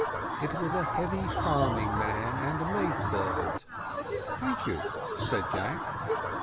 It was a heavy farming man and a maid servant. "Thank you," said Jack.